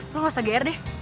lo gak usah gr deh